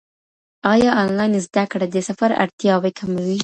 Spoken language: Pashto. ايا انلاين زده کړه د سفر اړتیاوې کموي؟